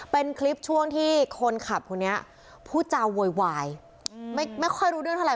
เป็นคลิปช่วงที่คนขับคนนี้พูดจาโวยวายไม่ค่อยรู้เรื่องเท่าไ